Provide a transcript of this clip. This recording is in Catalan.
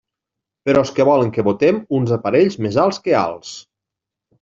Però és que volen que botem uns aparells més alts que alts.